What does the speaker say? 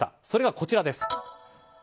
それがこちらです。